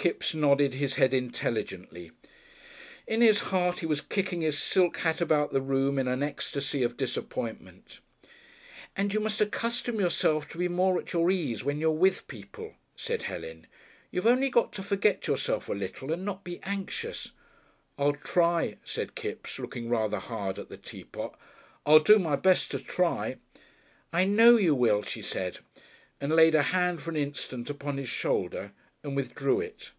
Kipps nodded his head intelligently. In his heart he was kicking his silk hat about the room in an ecstasy of disappointment. "And you must accustom yourself to be more at your ease when you are with people," said Helen. "You've only got to forget yourself a little and not be anxious " "I'll try," said Kipps, looking rather hard at the teapot. "I'll do my best to try." "I know you will," she said, and laid a hand for an instant upon his shoulder and withdrew it.